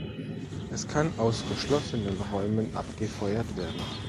Es kann aus geschlossenen Räumen abgefeuert werden.